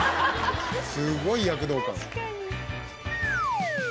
すごい躍動感。